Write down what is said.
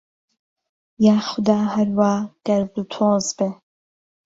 یاخودا ههر وا گهردوتۆز بێ